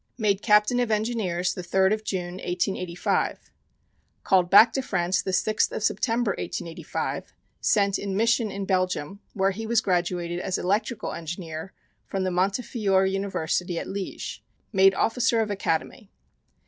Made Captain of Engineers the 3rd of June, 1885. Called back to France the 6th of September, 1885, sent in Mission in Belgium, where he was graduated as Electrical Engineer from the Montefiore University at Liege. Made officer of Academy.